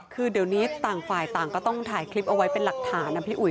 คือเดี๋ยวนี้ต่างฝ่ายต่างก็ต้องถ่ายคลิปเอาไว้เป็นหลักฐานนะพี่อุ๋